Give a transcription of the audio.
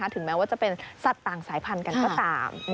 ถึงแม้ว่าจะเป็นสัตว์ต่างสายพันธุ์กันก็ตาม